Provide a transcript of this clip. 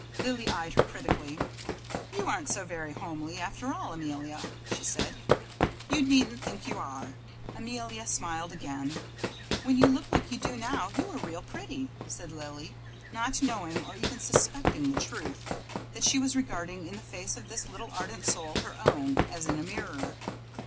Lily eyed her critically. "You aren't so very homely, after all, Amelia," she said. "You needn't think you are." Amelia smiled again. "When you look like you do now you are real pretty," said Lily, not knowing or even suspecting the truth, that she was regarding in the face of this little ardent soul her own, as in a mirror.